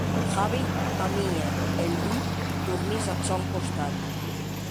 Javi amie e Lu dormís ath sòn costat.